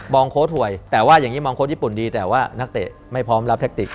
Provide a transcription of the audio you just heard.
โค้ดหวยแต่ว่าอย่างนี้มองโค้ชญี่ปุ่นดีแต่ว่านักเตะไม่พร้อมรับแทคติก